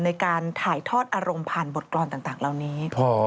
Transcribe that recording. ในการถ่ายทอดอารมณ์ผ่านบทกรรมต่างเหล่านี้